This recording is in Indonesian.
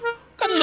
siapa yang nyuruh